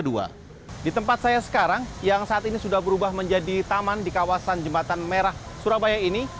di tempat saya sekarang yang saat ini sudah berubah menjadi taman di kawasan jembatan merah surabaya ini